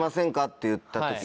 って言った時。